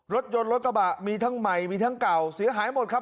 รถยนต์รถกระบะมีทั้งใหม่มีทั้งเก่าเสียหายหมดครับ